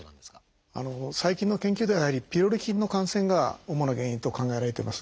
最近の研究ではピロリ菌の感染が主な原因と考えられています。